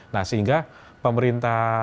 nah sehingga pemerintah